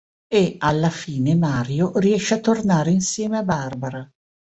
E, alla fine Mario riesce a tornare insieme a Barbara..